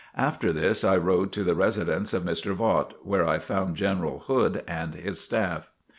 After this I rode to the residence of Mr. Vaught, where I found General Hood and his staff.